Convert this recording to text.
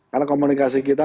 karena komunikasi kita